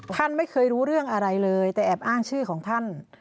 ท่านไม่เคยรู้เรื่องอะไรเลยแต่แอบอ้างชื่อของท่าน